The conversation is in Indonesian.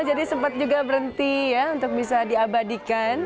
oh jadi sempat juga berhenti ya untuk bisa diabadikan